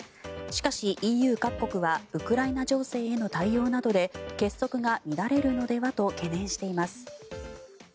しかし、ＥＵ各国はウクライナ情勢への対応などで結束が乱れるのではと懸念しています。